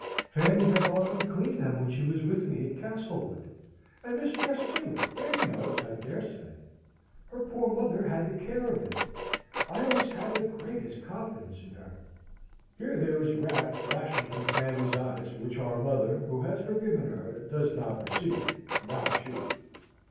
"Fanny hath often cleaned them when she was with me at Castlewood. And this dress, too, Fanny knows, I dare say? Her poor mother had the care of it. I always had the greatest confidence in her." Here there is wrath flashing from Fanny's eyes, which our mother, who has forgiven her, does not perceive not she!